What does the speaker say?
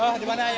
oh di mana air